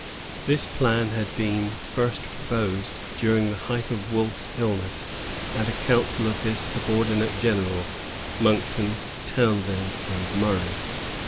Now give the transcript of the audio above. This plan had been first proposed during the height of Wolfe's illness, at a council of his subordinate generals, Monkton, Townshend, and Murray.